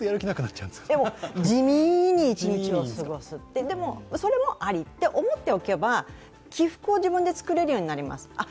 地味に一日に過ごす、でも、それはありって思っておけば起伏を自分で作れるようになります。